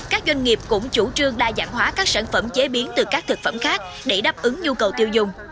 các doanh nghiệp cũng chủ trương đa dạng hóa các sản phẩm chế biến từ các thực phẩm khác để đáp ứng nhu cầu tiêu dùng